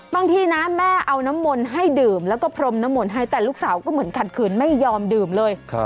บางทีนะแม่เอาน้ำมนต์ให้ดื่มแล้วก็พรมน้ำมนต์ให้แต่ลูกสาวก็เหมือนขัดขืนไม่ยอมดื่มเลย